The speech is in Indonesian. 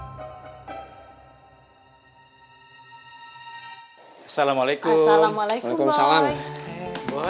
assalamualaikum assalamualaikum boy